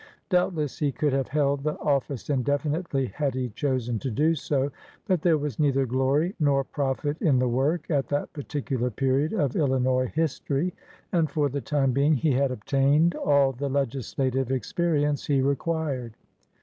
Doubtless he could have held the office indefinitely had he chosen to do so, but there was neither glory nor profit in the work at that particular period of Illinois history, and for the time being he had obtained all the legislative experience he required.